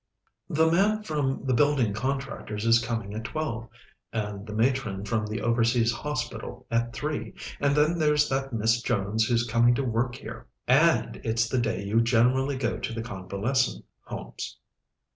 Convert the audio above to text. "The man from the building contractors is coming at twelve, and the Matron from the Overseas Hospital at three, and then there's that Miss Jones who's coming to work here. And it's the day you generally go to the Convalescent Homes."